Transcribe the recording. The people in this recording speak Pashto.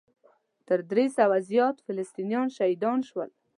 تر درې سوو زیات فلسطینیان شهیدان شول.